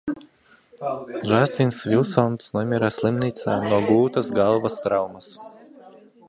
Džastins Vilsons nomira slimnīcā no gūtās galvas traumas.